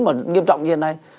và nghiêm trọng như hiện nay